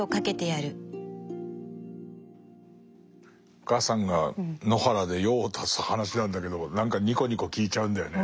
お母さんが野原で用を足す話なんだけど何かニコニコ聞いちゃうんだよね。